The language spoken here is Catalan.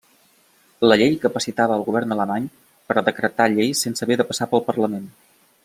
La llei capacitava el govern alemany a decretar lleis sense haver de passar pel parlament.